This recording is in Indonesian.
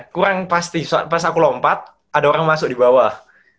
kurang pasti pas aku lompat ada orang masuk dibawah